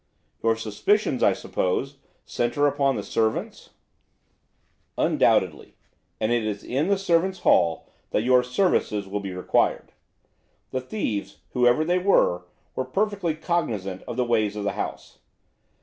"Your suspicions, I suppose, centre upon the servants?" "Undoubtedly; and it is in the servants' hall that your services will be required. The thieves, whoever they were, were perfectly cognizant of the ways of the house.